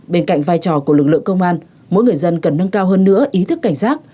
bên cạnh vai trò của lực lượng công an mỗi người dân cần nâng cao hơn nữa ý thức cảnh giác